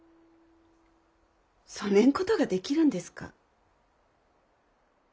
そねんことができるんですか？